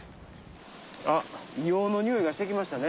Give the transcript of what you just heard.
硫黄の匂いがして来ましたね。